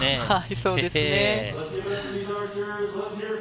そうですね。